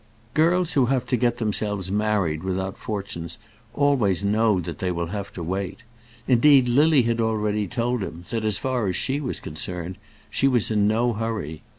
Girls who have to get themselves married without fortunes always know that they will have to wait. Indeed, Lily had already told him, that as far as she was concerned, she was in no hurry.